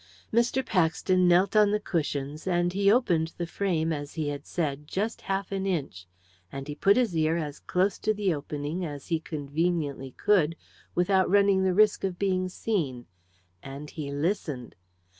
Mr. Paxton knelt on the cushions and he opened the frame, as he had said, just half an inch, and he put his ear as close to the opening as he conveniently could, without running the risk of being seen, and he listened.